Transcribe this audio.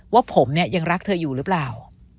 ว่าผมเนี่ยยังรักเธออยู่หรือเปล่า